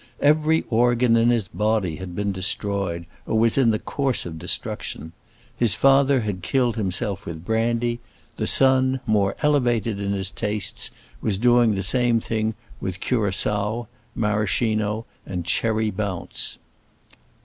Every organ in his body had been destroyed, or was in the course of destruction. His father had killed himself with brandy; the son, more elevated in his tastes, was doing the same thing with curaçoa, maraschino, and cherry bounce.